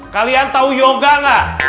kalian tahu yoga enggak